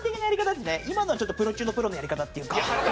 今のはちょっとプロ中のプロのやり方っていうか。